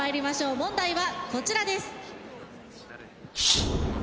問題はこちらです。